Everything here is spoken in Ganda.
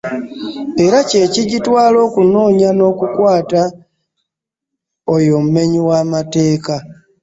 Era kyekigitwaala okunoonya n’okukwaata oy’omumenyi w’amateeka.